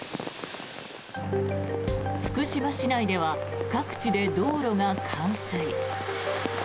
福島市内では各地で道路が冠水。